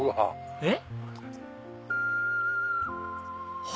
えっ？